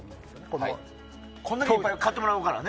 これだけいっぱい買ってもらってるからね。